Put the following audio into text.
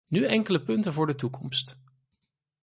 Nu enkele punten voor de toekomst.